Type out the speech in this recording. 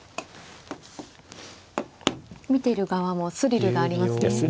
見てる側もスリルがありますね。